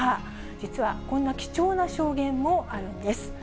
実はこんな貴重な証言もあるんです。